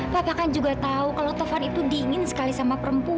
pak akan juga tahu kalau taufan itu dingin sekali sama perempuan